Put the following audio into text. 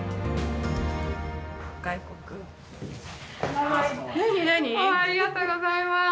ママありがとうございます！